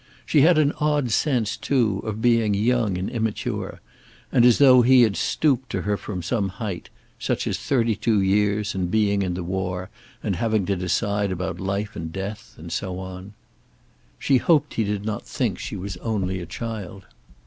She had an odd sense, too, of being young and immature, and as though he had stooped to her from some height: such as thirty two years and being in the war, and having to decide about life and death, and so on. She hoped he did not think she was only a child.